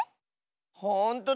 ほんとだ！